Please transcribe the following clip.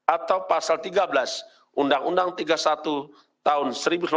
atau pasal tiga belas undang undang tiga puluh satu tahun seribu sembilan ratus empat puluh